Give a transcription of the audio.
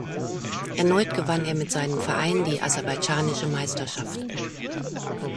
Erneut gewann er mit seinem Verein die aserbaidschanische Meisterschaft.